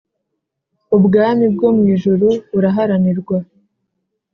Ubwami bwo mu ijuru buraharanirwa